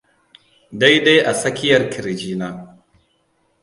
daidai a tsakiyar kirji na